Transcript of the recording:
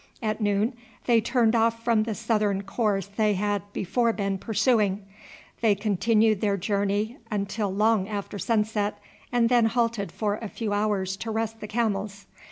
At noon they turned off from the southern course they had before been pursuing. They continued their journey until long after sunset, and then halted for a few hours to rest the camels.